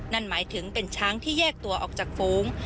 นั่นหมายถึงเป็นช้างที่แยกตัวออกจากฝูง